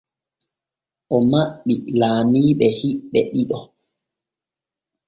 O maɓɓi laamiiɓe hiɓɓe ɗiɗo.